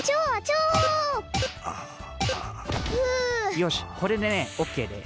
よしこれでねオッケーです！